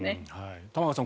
玉川さん